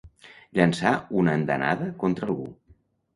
Llançar una andanada contra algú.